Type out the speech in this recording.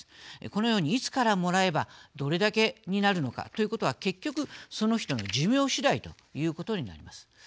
このように、いつからもらえばどれだけになるのかということは結局、その人の寿命しだいということになります。